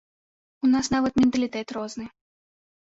У нас нават менталітэт розны.